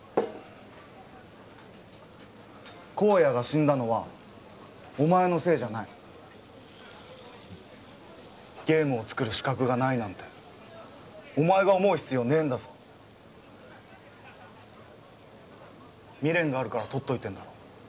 公哉が死んだのはお前のせいじゃないゲームを作る資格がないなんてお前が思う必要ねえんだぞ未練があるから取っといてんだろ